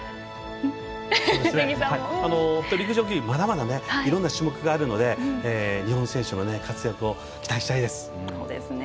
陸上競技まだまだいろいろあるので日本選手の活躍を期待したいです。